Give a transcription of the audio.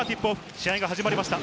試合が始まりました。